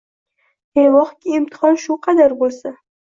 E vohki, imtihon shu qadar bo’lsa